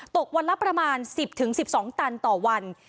ตกวันละประมาณ๑๐๑๒ตันต่อวัน